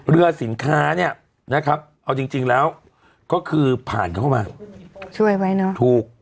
เรือสินค้าเนี่ยนะครับเอาจริงแล้วก็คือผ่านเข้ามาช่วยไว้เนอะถูก